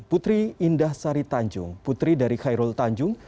putri indah sari tanjung putri dari khairul tanjung